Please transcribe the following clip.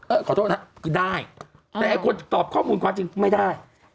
เอ๊ะขอโทษนะได้แต่คนตอบข้อมูลความจริงไม่ได้